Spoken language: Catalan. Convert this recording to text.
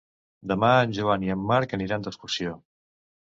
Demà en Joan i en Marc aniran d'excursió.